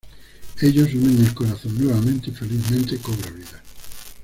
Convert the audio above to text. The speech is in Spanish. Ellos unen el corazón nuevamente y felizmente cobra vida.